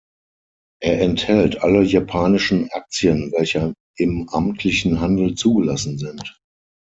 Er enthält alle japanischen Aktien, welche im amtlichen Handel zugelassen sind.